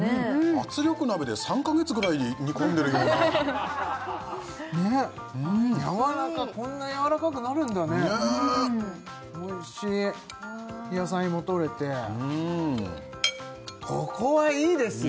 圧力鍋で３か月ぐらい煮込んでるようなやわらかっこんなやわらかくなるんだねおいしい野菜もとれてここはいいですよ